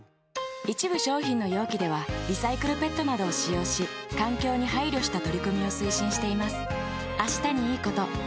一部商品の容器ではリサイクルＰＥＴなどを使用し環境に配慮した取り組みを推進しています。